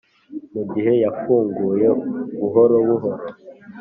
mugihe yafunguye buhoro buhoro